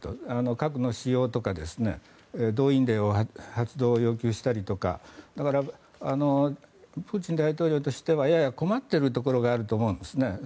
核の使用とか動員令の発動を要求したりとかだから、プーチン大統領としてはやや困ってるところがあると思うんです。